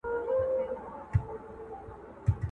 o پر لوړه وخېژه، څار وکړه، چي خلگ کړي هغه کار وکړه٫